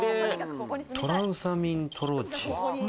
トランサミントローチ。